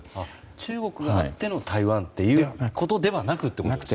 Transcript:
中国にとっての台湾ということではなく、ですね。